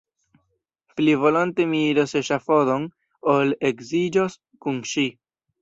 Pli volonte mi iros eŝafodon, ol edziĝos kun ŝi!